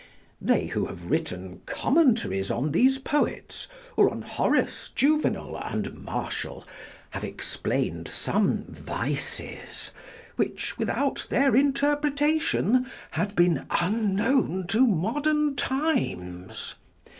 They who have written commentaries on those poets, or on Horace, Juvenal, and Martial, have explain'd some vices which, without their interpretation, had been unknown to modern times.